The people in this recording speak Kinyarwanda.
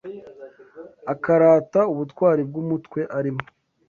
Akarata ubutwari bw’umutwe arimo